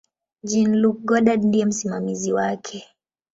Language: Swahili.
Jean-Luc Godard ndiye msimamizi wake.